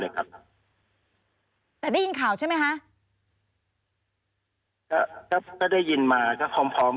ครับแต่ได้ยินข่าวใช่ไหมคะก็ก็ได้ยินมาก็พร้อมพร้อม